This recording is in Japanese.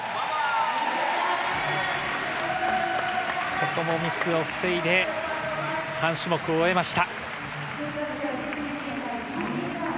ここもミスを防いで３種目を終えました。